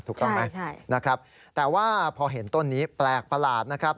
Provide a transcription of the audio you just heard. ถูกต้องไหมนะครับแต่ว่าพอเห็นต้นนี้แปลกประหลาดนะครับ